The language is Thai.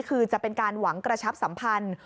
คือจะเป็นการหวังกระชับสัมพันธ์